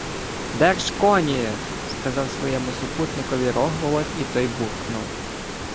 — Держ коні! — сказав своєму супутникові Рогволод, і той буркнув: